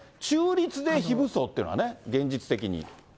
中立で非武装っていうのはね、現実的に。